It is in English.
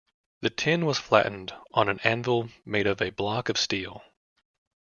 The tin was flattened on an anvil made of a block of steel.